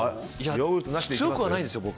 強くはないんです、僕。